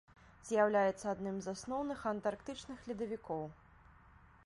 З'яўляецца адным з асноўных антарктычных ледавікоў.